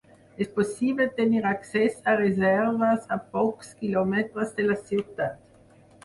És possible tenir accés a reserves a pocs quilòmetres de la ciutat.